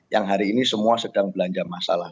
yang hari ini semua sedang belanja masalah